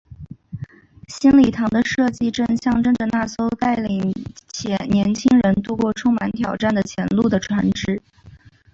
新礼堂的设计正象征着那艘带领年青人渡过充满挑战的前路的船只。